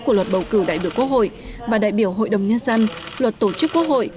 của luật bầu cử đại biểu quốc hội và đại biểu hội đồng nhân dân luật tổ chức quốc hội